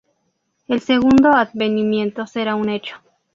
El segundo advenimiento será un hecho.